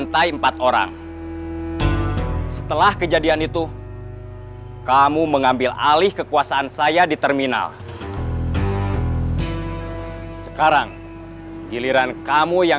sampai jumpa di video selanjutnya